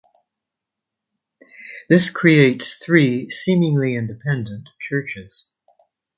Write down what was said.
This creates three seemingly independent churches.